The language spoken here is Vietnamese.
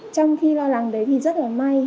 trong khi lo lắng đấy thì rất là may